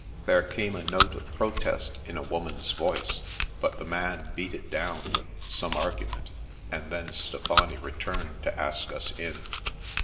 There came a note of protest in a woman's voice, but the man's beat it down with some argument, and then Stefani returned to ask us in.